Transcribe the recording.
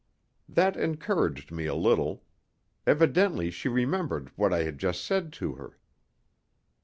That encouraged me a little. Evidently she remembered what I had just said to her.